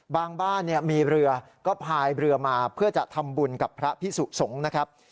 บ้านมีเรือก็พายเรือมาเพื่อจะทำบุญกับพระพิสุสงฆ์นะครับ